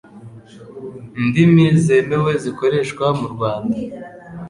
ndimi zemewe zikoreshwa mu Rwanda.